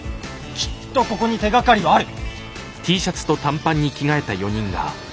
きっとここに手がかりはある！